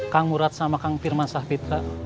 kang murad sama kang firman sahbitra